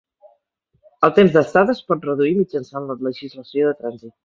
El temps d'estada es pot reduir mitjançant la legislació de trànsit.